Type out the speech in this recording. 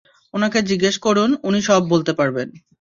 ওনাকে জিজ্ঞেস করুন, উনি সব বলতে পারবেন।